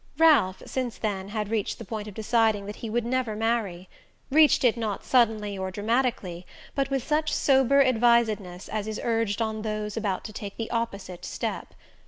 Ralph, since then, had reached the point of deciding that he would never marry; reached it not suddenly or dramatically, but with such sober advisedness as is urged on those about to take the opposite step.